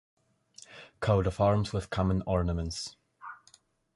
Coat of arms with common ornaments